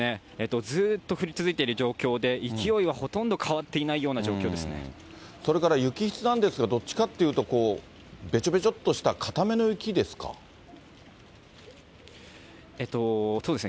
ずっと降り続いている状況で、勢いはほとんど変わっていないようそれから、雪質なんですが、どっちかっていうと、こう、べちょべちょっとした、かための雪ですか。